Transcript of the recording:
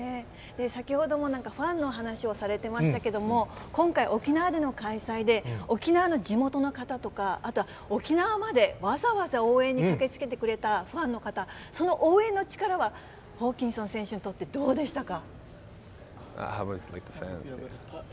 先ほどもファンの話をされてましたけど、今回、沖縄での開催で、沖縄の地元の方とか、あとは沖縄までわざわざ応援に駆けつけてくれたファンの方、その応援の力は、ホーキンソン選手にとってどうでしたか？